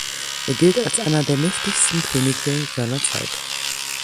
Er gilt als einer der mächtigsten Könige seiner Zeit.